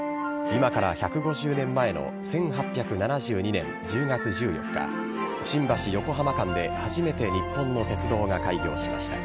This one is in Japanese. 今から１５０年前の１８７２年１０月１４日新橋・横浜間で初めて日本の鉄道が開業しました。